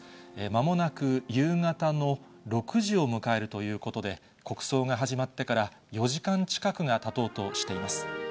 まもなく、夕方の６時を迎えるということで、国葬が始まってから４時間近くがたとうとしています。